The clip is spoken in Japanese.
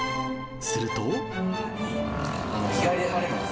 すると。